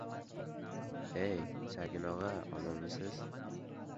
— Ay, Saken og‘a, omonmisan?..